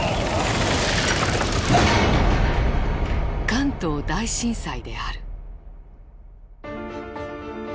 関東大震災である。